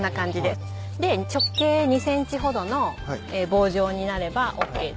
で直径２ｃｍほどの棒状になればＯＫです。